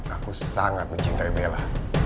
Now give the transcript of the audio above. aku sangat mencintai bella